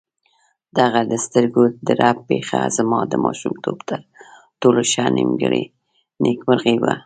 دغه د سترګو د رپ پېښه زما د ماشومتوب تر ټولو ښه نېکمرغي وه.